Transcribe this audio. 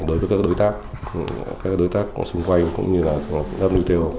đối với các đối tác các đối tác xung quanh cũng như là của wto